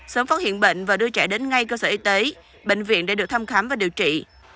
sớm phát hiện bệnh và đưa trẻ đến ngay cơ sở y tế bệnh viện để được thăm khám và điều trị